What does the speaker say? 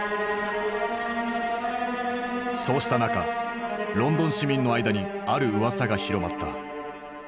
そうした中ロンドン市民の間にあるうわさが広まった。